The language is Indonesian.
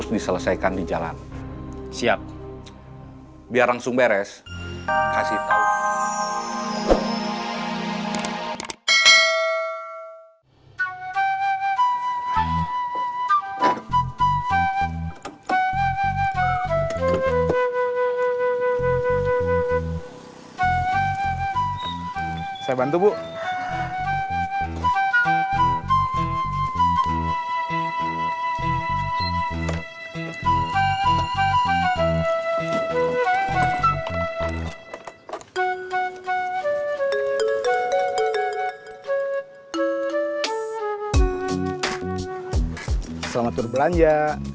selamat tur belanja